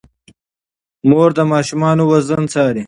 مور د ماشومانو وزن څاري.